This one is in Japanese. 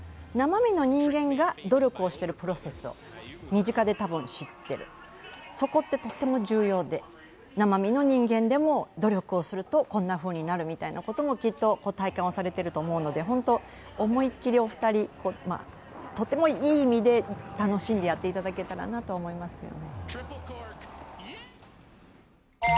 生身の人間が努力をしてるプロセスを身近で知ってる、そこってとっても重要で、生身の人間でも努力するとこんなふうになるみたいなこともきっと体感されていると思うのでホント、思い切り、お二人、とてもいい意味で楽しんでやっていただけたらなと思います。